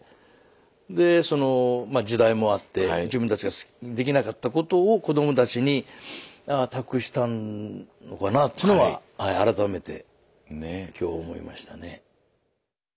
でそのまあ時代もあって自分たちができなかったことを子どもたちに託したのかなぁというのは改めて今日思いましたね。